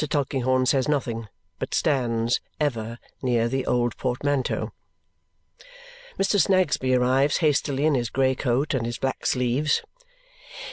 Tulkinghorn says nothing, but stands, ever, near the old portmanteau. Mr. Snagsby arrives hastily in his grey coat and his black sleeves.